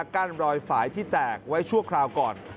กั้นรอยฝ่ายที่แตกไว้ชั่วคราวก่อน